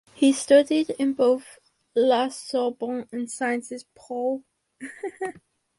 He studied in both La Sorbonne and Sciences Po.